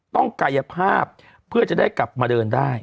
กายภาพเพื่อจะได้กลับมาเดินได้